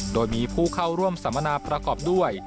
โดยมีผู้เข้าร่วมสัมมนาประกอบด้วย